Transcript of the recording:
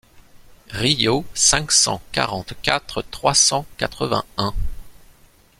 Riault cinq cent quarante-quatre trois cent quatre-vingt-un.